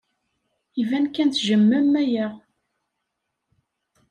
Iban kan tejjmem aya.